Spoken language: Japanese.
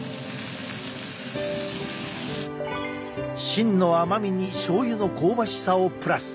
芯の甘みにしょうゆの香ばしさをプラス。